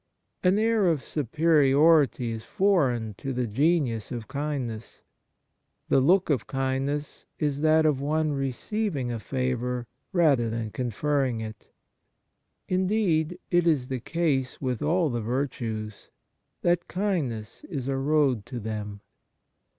An air of superiority is foreign to the genius of kind ness. The look of kindness is that of one receiving a favour rather than conferring it. Indeed, it is the case with all the virtues, that kindness is a road to them.